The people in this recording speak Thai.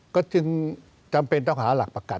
ก็จึงจำเป็นต้องหาหลักประกัน